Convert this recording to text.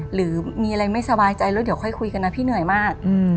หรือมีอะไรไม่สบายใจแล้วเดี๋ยวค่อยคุยกันนะพี่เหนื่อยมาก